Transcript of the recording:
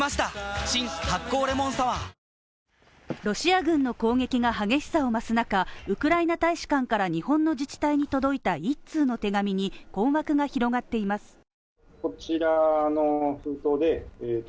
ロシア軍の攻撃が激しさを増す中、ウクライナ大使館から日本の自治体に届いた１通の手紙に、困惑が広がっています。